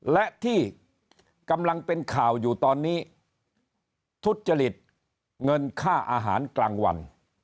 และที่กำลังเป็นข่าวอยู่ตอนนี้ทุจจริตเงินค่าอาหารกลางวัน